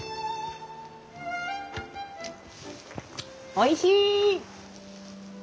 おいしい！